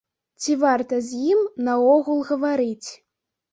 Ці варта з ім наогул гаварыць.